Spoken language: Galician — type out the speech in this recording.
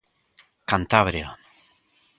Cantabria.